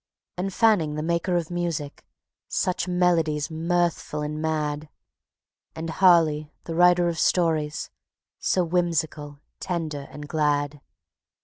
And Fanning, the maker of music, such melodies mirthful and mad! And Harley, the writer of stories, so whimsical, tender and glad!